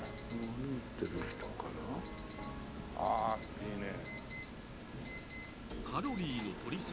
歩いてる人からああいいね。